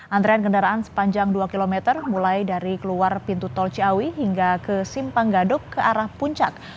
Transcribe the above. antrean kendaraan sepanjang dua km mulai dari keluar pintu tol ciawi hingga ke simpang gadok ke arah puncak